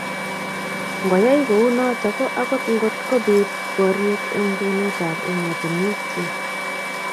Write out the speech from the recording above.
Ngoyai kounoto ko agot ngotkobit boriet eng kwenetab emotinwek che